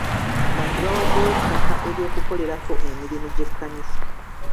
Abantu bawaddeyo ettaka ery'okukolerako emirimu gy'ekkanisa.